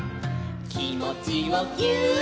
「きもちをぎゅーっ」